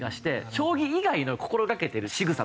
将棋以外の心掛けてるしぐさとか普段の。